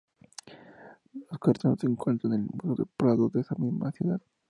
Los cartones se encuentran en el Museo del Prado de esta misma ciudad.